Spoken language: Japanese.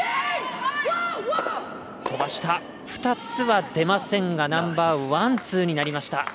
２つは出ませんがナンバーワン、ツーになりました。